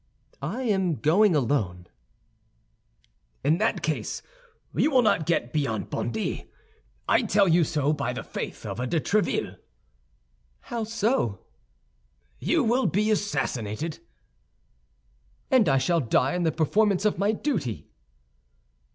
"I am going alone." "In that case you will not get beyond Bondy. I tell you so, by the faith of de Tréville." "How so?" "You will be assassinated." "And I shall die in the performance of my duty."